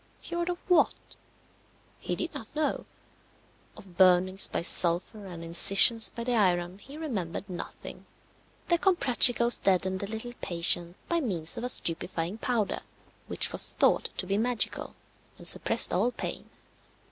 Cured of what? He did not know. Of burnings by sulphur and incisions by the iron he remembered nothing. The Comprachicos deadened the little patient by means of a stupefying powder which was thought to be magical, and suppressed all pain.